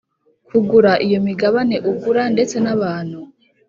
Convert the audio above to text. Kugura iyo migabane ugura ndetse n abantu